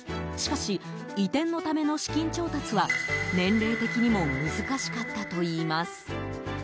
しかし、移転のための資金調達は年齢的にも難しかったといいます。